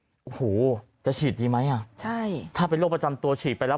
โอ้โหจะฉีดดีไหมอ่ะใช่ถ้าเป็นโรคประจำตัวฉีดไปแล้ว